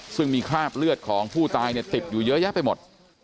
ซึ่งมีคราบเลือดของผู้ตายติดอยู่เยอะแยะไปหมด